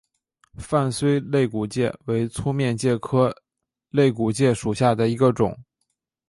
范睢肋骨介为粗面介科肋骨介属下的一个种。